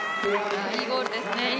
いいゴールですね。